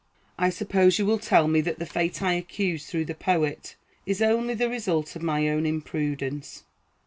I suppose you will tell me that the fate I accuse through the poet is only the result of my own imprudence.